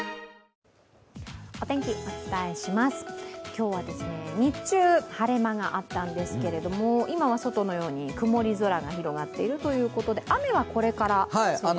今日は日中、晴れ間があったんですけど今は外のように曇り空が広がっているということで雨はこれからですね。